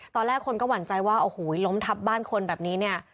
ตอนแรกคนก็หวั่นใจว่าโอ้โหล้มทับบ้านคนแบบนี้เนี่ย